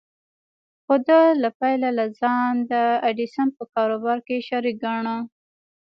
خو ده له پيله لا ځان د ايډېسن په کاروبار کې شريک ګاڼه.